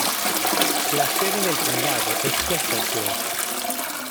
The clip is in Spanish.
La sede del condado es Chesterfield.